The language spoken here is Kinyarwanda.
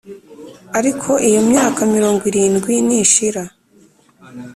Ariko, iyo myaka mirongo irindwi nishira,